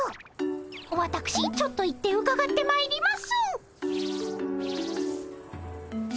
わたくしちょっと行ってうかがってまいります。